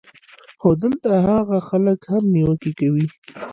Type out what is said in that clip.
خو دلته هاغه خلک هم نېوکې کوي